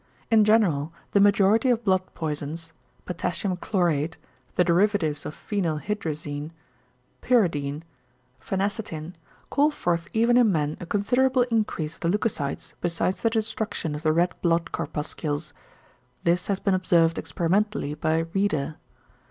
In general the majority of blood poisons, potassium chlorate, the derivatives of phenyl hydrazin, pyrodin, phenacetin call forth even in man a considerable increase of the leucocytes besides the destruction of the red blood corpuscles. This has been observed experimentally by Rieder.